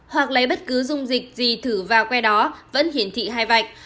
hoặc lấy bất cứ dung dịch gì thử vào que đó vẫn hiển thị hai vạch